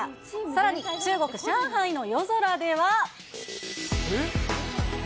さらに、中国・上海の夜空では。